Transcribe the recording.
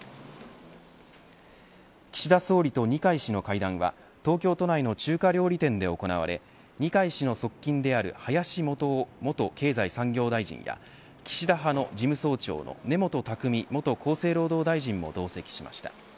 岸田総理と二階氏の会談は東京都内の中華料理店で行われ二階氏の側近である林幹雄元経済産業大臣や岸田派の事務総長の根本匠元厚生労働大臣も同席しました。